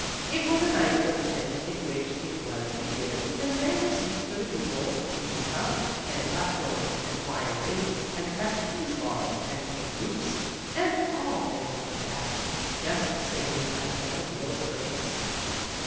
It was a nice little tent in which it was to be given, and there were seats for the people, who would come, and a platform, and flying rings and trapeze bars and paper hoops, and all things like that, just the same as in a real circus.